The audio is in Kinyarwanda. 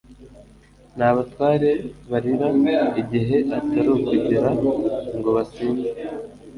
n'abatware barira igihe, atari ukugira ngo basinde